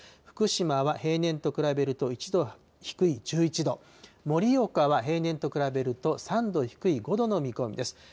福島は平年と比べると１度低い１１度、盛岡は平年と比べると３度低い５度の見込みです。